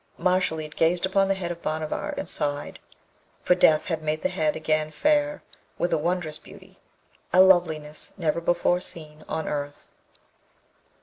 Mashalleed gazed upon the head of Bhanavar and sighed, for death had made the head again fair with a wondrous beauty, a loveliness never before seen on earth.